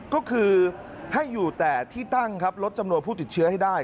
ก็คือให้อยู่แต่ที่ตั้งครับลดจำนวนผู้ติดเชื้อให้ได้